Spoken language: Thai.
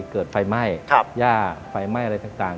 เกิดไฟไหม้ย่าไฟไหม้อะไรต่าง